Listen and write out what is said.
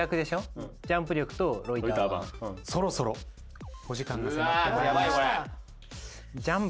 そろそろお時間が迫ってまいりました。